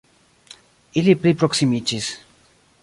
Ili pli proksimiĝis.